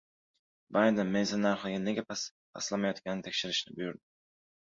Bayden benzin narxi nega pastlamayotganini tekshirishni buyurdi